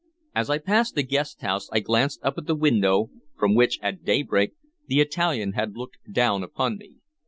As I passed the guest house, I glanced up at the window from which, at daybreak, the Italian had looked down upon me.